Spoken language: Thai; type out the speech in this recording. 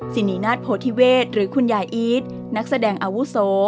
สินีนาฏโพธิเวศหรือคุณยายอีทนักแสดงอาวุโส